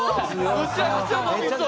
むちゃくちゃ飲みそう。